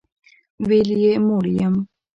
ویل یې موړ یم.